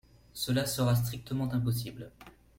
Cela sera strictement impossible.